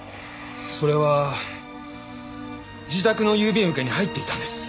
それは自宅の郵便受けに入っていたんです。